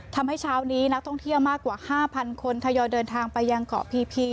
ทำให้เช้านี้นักท่องเที่ยวมากกว่าห้าพันคนทยอยเดินทางไปยังเกาะพีพี